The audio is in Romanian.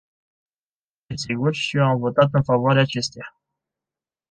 Desigur, și eu am votat în favoarea acesteia.